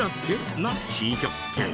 な珍百景。